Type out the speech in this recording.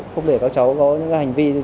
không để các cháu có những hành vi